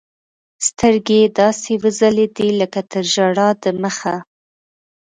سترګې يې داسې وځلېدې لكه تر ژړا د مخه.